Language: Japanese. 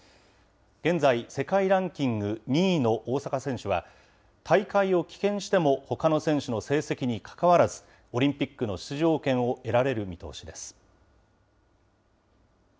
現在、世界ランキング２位の大坂選手は、大会を棄権してもほかの選手の成績にかかわらず、オリンピックの出場権を得られる見通しです。